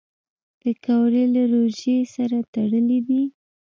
پکورې له روژې سره تړلي دي